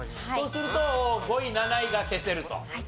そうすると５位７位が消せると。